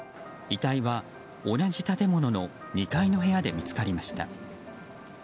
遺体は同じ建物の２階の部屋で見つかりました。